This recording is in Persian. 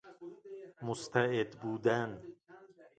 مستعد بودن